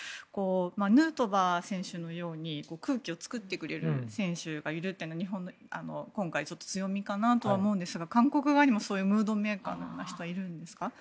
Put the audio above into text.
ヌートバー選手のように空気を作ってくれる選手がいるっていうのは日本の今回強みかなと思いますが韓国側にもムードメーカーの人はいるんですか？